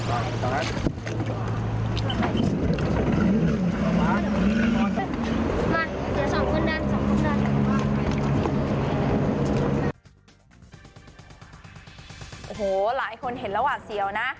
โอ้โหหลายคนเห็นแล้วหวาดเสียวนะ